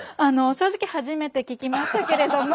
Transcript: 正直初めて聞きましたけれども。